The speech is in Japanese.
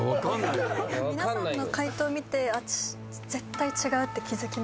皆さんの解答見て絶対違うって気付きました。